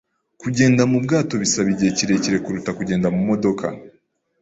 Kugenda mubwato bisaba igihe kirekire kuruta kugenda mumodoka.